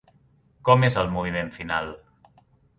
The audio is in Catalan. Com és el moviment final?